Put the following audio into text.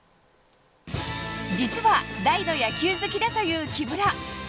実は大の野球好きだという木村。